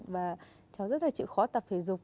và cháu rất là chịu khó tập thể dục